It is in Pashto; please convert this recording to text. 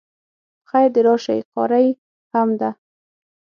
په خیر د راشی قاری هم ده